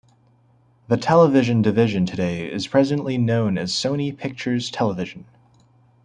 The television division today is presently known as Sony Pictures Television.